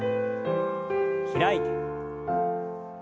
開いて。